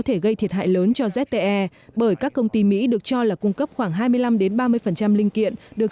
thể gây thiệt hại lớn cho zte bởi các công ty mỹ được cho là cung cấp khoảng hai mươi năm ba mươi linh kiện được